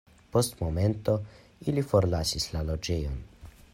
Post momento ili forlasis la loĝejon.